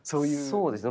そうですね。